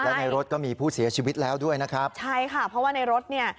และในรถก็มีผู้เสียชีวิตแล้วด้วยนะครับใช่ค่ะเพราะว่าในรถเนี่ย